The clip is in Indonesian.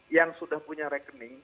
yang sudah punya rekening